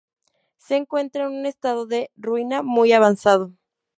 Se encuentra en un estado de ruina muy avanzado.